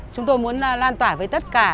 chúng tôi muốn lan tỏa với tất cả